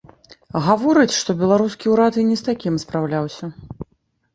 Гаворыць, што беларускі ўрад і не з такім спраўляўся.